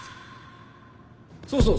そうそう。